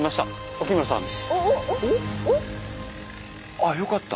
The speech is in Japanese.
あよかった。